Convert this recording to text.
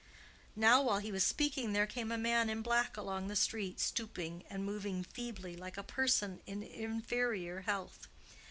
Now, while he was speaking there came a man in black along the street, stooping and moving feebly like a person in inferior health.